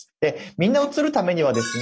みんな映るためにはですね